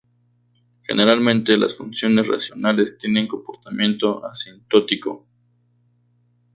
Generalmente, las funciones racionales tienen comportamiento asintótico.